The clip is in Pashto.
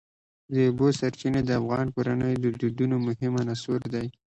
د اوبو سرچینې د افغان کورنیو د دودونو مهم عنصر دی.